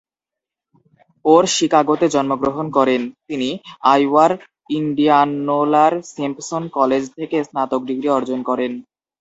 ওর শিকাগোতে জন্মগ্রহণ করেন। তিনি আইওয়ার ইন্ডিয়ানোলার সিম্পসন কলেজ থেকে স্নাতক ডিগ্রি অর্জন করেন।